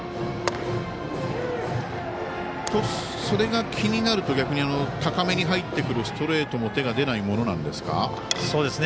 それが気になると逆に高めに入ってくるストレートも手がないものなんですか？